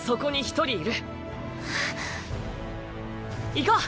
行こう！